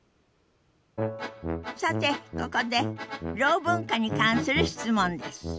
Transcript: さてここでろう文化に関する質問です。